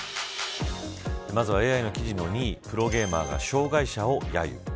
まずはＡＩの記事の２位プロゲーマーが障害者をやゆ。